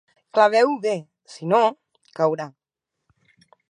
Claveu-ho bé, si no, caurà.